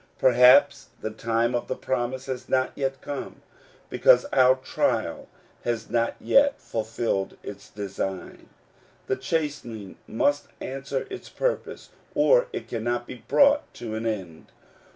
Perhaps the time of the promise has not yet come, because our trial has not yet fulfilled its design. The chastening must answer its purpose, or it cannot be brought to an end.